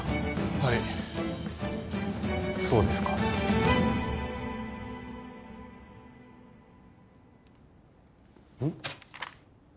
はいそうですかうん？